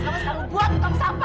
kamu melakukan ini untuk siapa